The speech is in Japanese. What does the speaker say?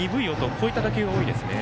こういった打球が多いですね。